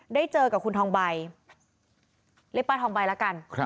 ได้เจอกับคุณทองใบเรียกป้าทองใบละกัน